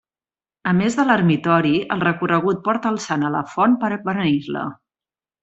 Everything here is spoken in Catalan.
A més de l'ermitori, el recorregut porta el sant a la font per a beneir-la.